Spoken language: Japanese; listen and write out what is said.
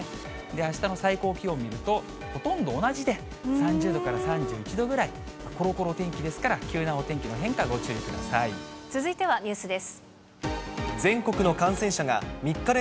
あしたの最高気温見ると、ほとんど同じで３０度から３１度ぐらい、コロコロ天気ですから、急なお天続いてはニュースです。